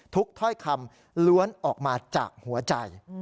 ถ้อยคำล้วนออกมาจากหัวใจ